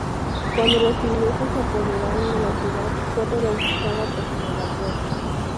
Cuando los ingleses se apoderaron de la ciudad, fue rebautizada como Nueva York.